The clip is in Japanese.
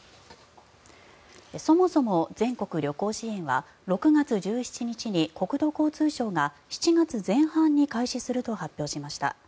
そもそも、全国旅行支援は６月１７日に国土交通省が７月前半に開始すると発表しました。